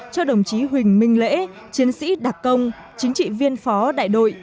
cho đồng chí huỳnh minh lễ chiến sĩ đặc công chính trị viên phó đại đội